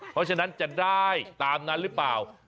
เพราะฉะนั้นจะได้ตามนั้นหรือเปล่า